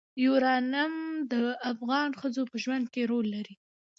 یورانیم د افغان ښځو په ژوند کې رول لري.